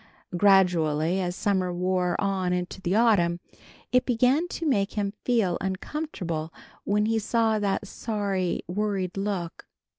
Gradually as summer wore on into the autumn, it began to make him feel uncomfortable when he saw that sorry, worried look.